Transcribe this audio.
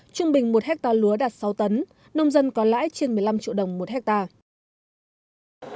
trung bình một hectare lúa đạt sáu tấn nông dân có lãi trên một mươi năm triệu đồng một hectare